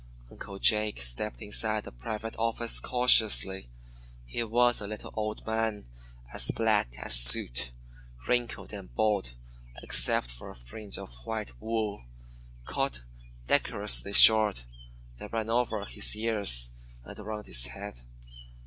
Uncle Jake stepped inside the private office cautiously. He was a little old man, as black as soot, wrinkled and bald except for a fringe of white wool, cut decorously short, that ran over his ears and around his head.